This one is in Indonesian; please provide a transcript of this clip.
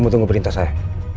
kamu tunggu perintah saya